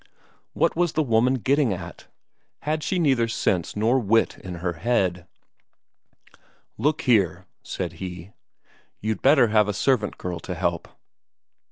What was the woman getting at? had she neither sense nor wit in her head? "Look here," said he, "you'd better have a servant girl to help."